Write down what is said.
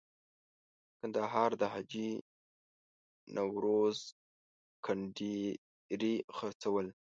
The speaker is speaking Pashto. د کندهار د حاجي نوروز کنډیري خرڅول.